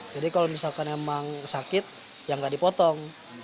jadi kalau misalkan emang sakit ya nggak dipotong